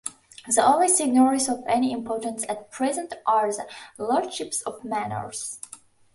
The only seignories of any importance at present are the lordships of manors.